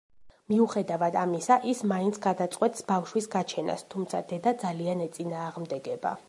მიუხედავად ამისა, ის მაინც გადაწყვეტს ბავშვის გაჩენას, თუმცა დედა ძალიან ეწინააღმდეგება.